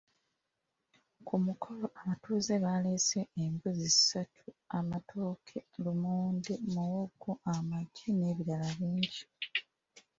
Ku mukolo abatuuze baaleese embuzi ssatu, amatooke, lumonde, muwogo, amagi n’ebirala bingi.